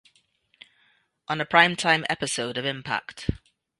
On a prime time episode of Impact!